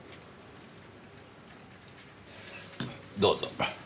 どうぞ。